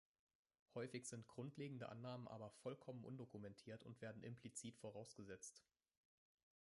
Häufig sind grundlegende Annahmen aber vollkommen undokumentiert und werden implizit vorausgesetzt.